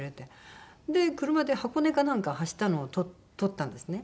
車で箱根かなんかを走ったのを撮ったんですね。